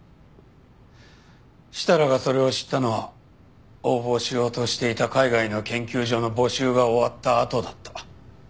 設楽がそれを知ったのは応募しようとしていた海外の研究所の募集が終わったあとだった。